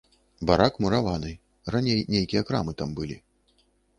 Барак мураваны, раней нейкія крамы там былі.